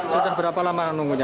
sudah berapa lama nunggunya